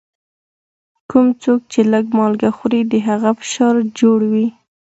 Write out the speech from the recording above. کوم څوک چي لږ مالګه خوري، د هغه فشار جوړ وي.